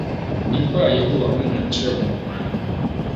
Nnipa a Yehowa honhom kyerɛ wɔn kwan no